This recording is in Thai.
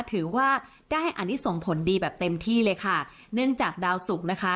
ถือว่าได้อันนี้ส่งผลดีแบบเต็มที่เลยค่ะเนื่องจากดาวสุกนะคะ